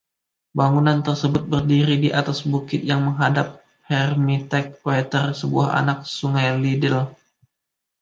Bangunan tersebut berdiri di atas bukit yang menghadap Hermitage Water, sebuah anak sungai Liddel.